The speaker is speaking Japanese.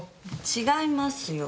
違いますよ！